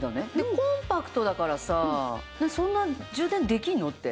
コンパクトだからさそんな充電できるの？って。